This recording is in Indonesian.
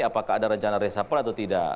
apakah ada rencana resapel atau tidak